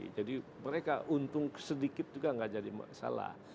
jadi mereka untung sedikit juga nggak jadi salah